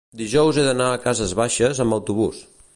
Dijous he d'anar a Cases Baixes amb autobús.